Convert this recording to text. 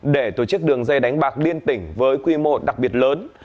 để tổ chức đường dây đánh bạc liên tỉnh với quy mô đặc biệt lớn